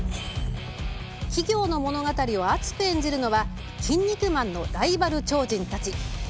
企業の物語を熱く演じるのは「キン肉マン」のライバル超人たち。